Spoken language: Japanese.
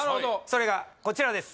それがこちらです